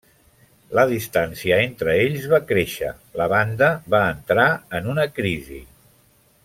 La distància entre ells va créixer, la banda va entrar en una crisi.